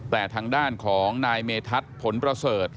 แต่ทางด้านของนายเมธัศนผลประเสริฐ